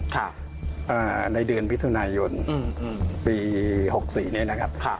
ค่ะอ่าในเดือนวิถุนายนอืมอืมปีหกสี่นี้นะครับค่ะ